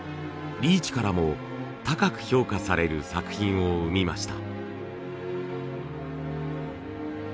リーチからも高く評価される作品を生みました。